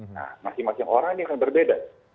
nah masing masing orang ini akan berbeda